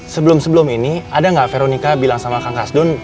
sebelum sebelum ini ada nggak veronica bilang sama kang kasdun